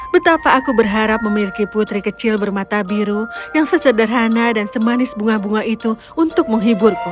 betapa aku berharap memiliki putri kecil bermata biru yang sesederhana dan semanis bunga bunga itu untuk menghiburku